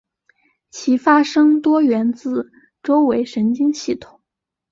其发生多源自周围神经系统。